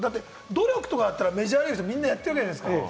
努力だったらメジャーリーグの選手、みんなやってるじゃないですか。